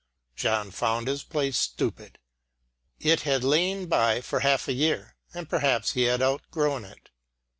John found his play stupid. It had lain by for half a year, and perhaps he had outgrown it.